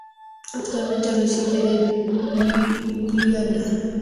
Actualmente reside en Liubliana.